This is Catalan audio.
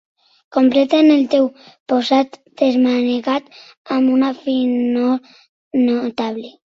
Completen el teu posat desmanegat amb una finor notable.